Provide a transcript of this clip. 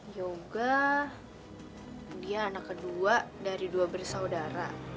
yoga dia anak kedua dari dua bersaudara